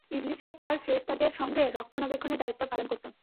ইবলীসও তার ফেরেশতাদের সঙ্গে রক্ষণাবেক্ষণের দায়িত্ব পালন করত।